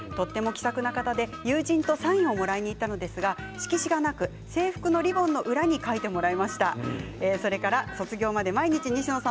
気さくな方で、友人とサインをもらいに行ったんですが色紙がなくて制服のリボンの裏側に書いてもらいました。